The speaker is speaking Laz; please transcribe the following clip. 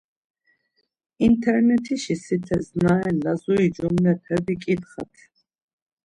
İnternetişi sites na ren Lazuri cumlepe biǩitxat.